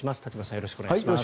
よろしくお願いします。